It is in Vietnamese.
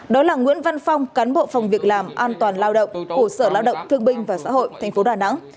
đó là nguyễn văn phong cán bộ phòng việc làm an toàn lao động của sở lao động thương binh và xã hội tp đà nẵng